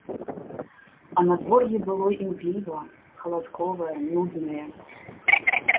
А надвор'е было імгліва-халадковае, нуднае.